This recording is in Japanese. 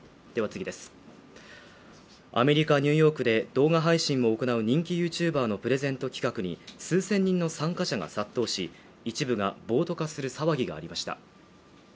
アメリカ・ニューヨークで動画配信も行う人気ユーチューバーのプレゼント企画に数千人の参加者が殺到し一部が暴徒化する騒ぎがありました